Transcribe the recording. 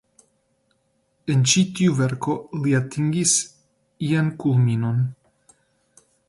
En ĉi tiu verko li atingis ian kulminon.